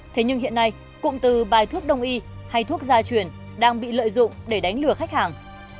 thế nhưng hiện nay cụm từ bài thuốc đông y hay thuốc gia truyền đang bị lợi dụng để đánh lừa khách hàng